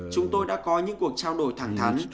chúng tôi đã có những cuộc trao đổi thẳng thắn